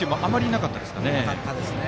なかったですね。